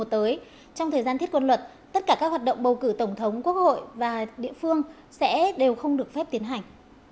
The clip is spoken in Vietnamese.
trong thời gian thiết quân luật tất cả các hoạt động bầu cử tổng thống quốc hội và địa phương sẽ đều không được phép tiến hành